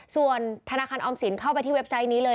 ส่วนธนาคารออมสินเข้าไปที่เว็บไซต์นี้เลย